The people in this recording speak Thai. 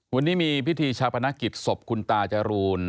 วันนี้มีพิธีชาพนักกิจศพคุณตาจรูน